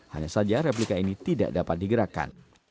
hanya saja replika ini tidak dapat digerakkan